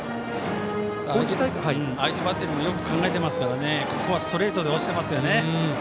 相手バッテリーもよく考えていますからここはストレートで押しています。